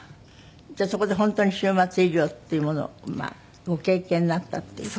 じゃあそこで本当に終末医療っていうものをまあご経験になったっていうか。